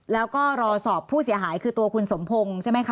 แล้วก็รอสอบผู้เสียหายคือตัวคุณสมพงศ์ใช่ไหมคะ